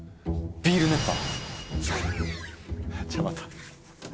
ビール熱波？